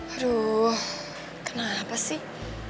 aduh kenapa sih